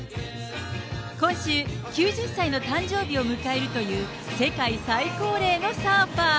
今週、９０歳の誕生日を迎えるという世界最高齢のサーファー。